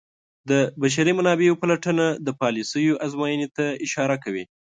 د بشري منابعو پلټنه د پالیسیو ازموینې ته اشاره کوي.